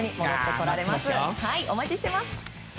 お待ちしています。